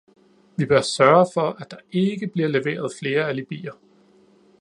Vi bør sørge for, at der ikke bliver leveret flere alibier.